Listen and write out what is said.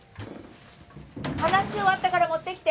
話終わったから持ってきて！